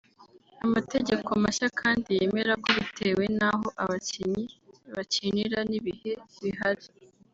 Amategeko mashya kandi yemera ko bitewe n’aho abakinnyi bakinira n’ibihe bihari